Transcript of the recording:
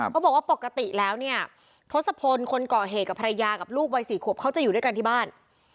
เขาบอกว่าปกติแล้วทศพลคนก่อเหกับภรรยากับลูกวัยสี่ขวบเขาจะอยู่ด้วยกันที่บ้าน